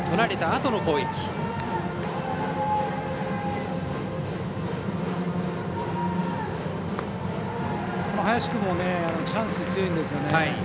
この林君もチャンスに強いんですよね。